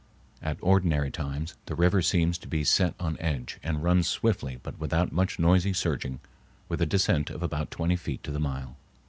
At ordinary times the river seems to be set on edge and runs swiftly but without much noisy surging with a descent of about twenty feet to the mile.